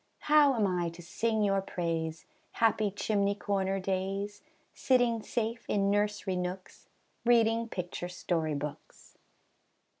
How am I to sing your praise, Happy chimney corner days, Sitting safe in nursery nooks, Reading picture story books?